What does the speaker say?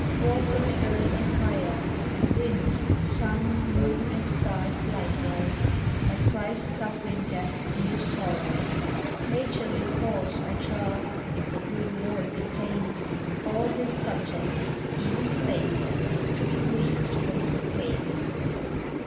Water, earth, and fire, and wind, sun, moon, and stars likewise, At Christ's suffering death knew sorrow. Nature will cause, I trow, if the good Lord be pained, All his subjects, even saints, to be grieved for his pain.